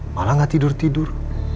malah gak tidur tidur